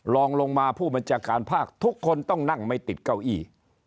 ลองลงมาผู้บัญชาการภาคทุกคนต้องนั่งไม่ติดเก้าอี้